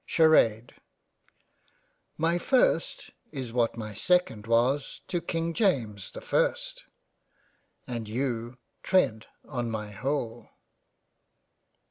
Sharade My first is what my second was to King James the ist, and you tread on my whole.